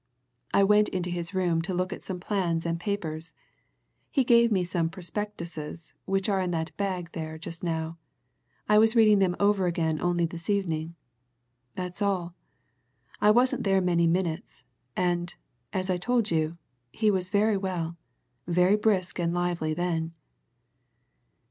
I went into his room to look at some plans and papers he gave me some prospectuses which are in that bag there just now I was reading them over again only this evening. That's all. I wasn't there many minutes and, as I told you, he was very well, very brisk and lively then."